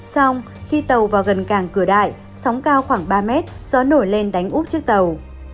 xong khi tàu vào gần cảng cửa đại sóng cao khoảng ba mét gió nổi lên đánh úp trước tàu